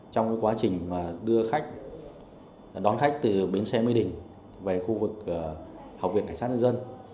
trong quá trình đưa khách đón khách từ bến xe mỹ đình về khu vực học viện cảnh sát nhân dân